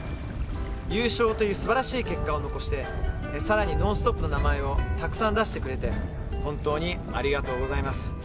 優勝という素晴らしい結果を残して更に「ノンストップ！」の名前をたくさん出してくれて本当にありがとうございます。